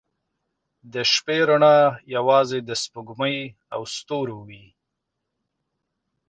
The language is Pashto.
• د شپې رڼا یوازې د سپوږمۍ او ستورو وي.